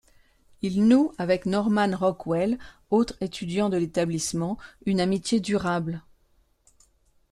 Il noue avec Norman Rockwell, autre étudiant de l'établissement, une amitié durable.